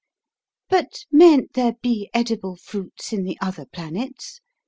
"But mayn't there be edible fruits in the other planets?"